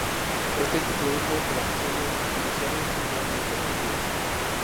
Este hecho produjo que las sesiones iniciales se vieran interrumpidas.